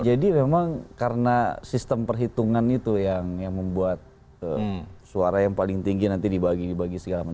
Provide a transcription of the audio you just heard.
jadi memang karena sistem perhitungan itu yang membuat suara yang paling tinggi nanti dibagi segalanya